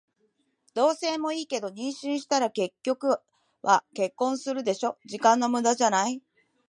同棲もいいけど、妊娠したら結局は結婚するでしょ。時間の無駄じゃない？